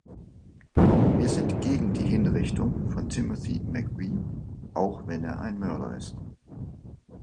Wir sind gegen die Hinrichtung von Timothy McVeigh, auch wenn er ein Mörder ist.